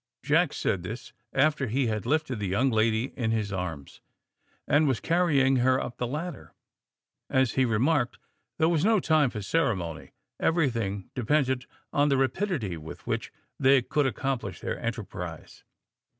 Jack said this after he had lifted the young lady in his arms, and was carrying her up the ladder. As he remarked, there was no time for ceremony. Everything depended on the rapidity with which they could accomplish their enterprise.